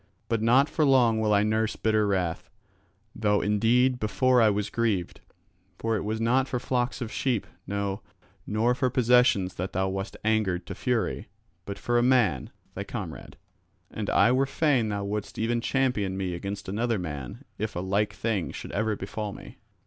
But not for long will I nurse bitter wrath, though indeed before I was grieved. For it was not for flocks of sheep, no, nor for possessions that thou wast angered to fury, but for a man, thy comrade. And I were fain thou wouldst even champion me against another man if a like thing should ever befall me."